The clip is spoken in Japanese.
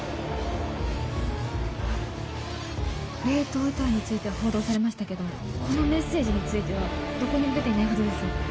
冷凍遺体については報道されましたけどこのメッセージについてはどこにも出ていないはずです。